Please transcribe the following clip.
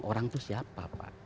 orang itu siapa pak